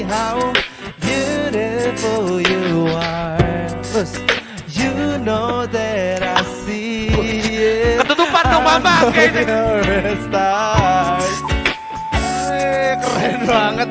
hai si how beautiful you are you know that i see you ketutupan nama nama keren banget